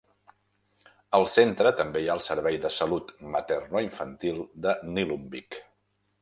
Al centre també hi ha el servei de salut materno-infantil de Nillumbik.